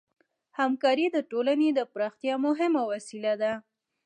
همکاري د ټولنې د پراختیا مهمه وسیله ده.